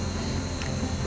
masih lapar kan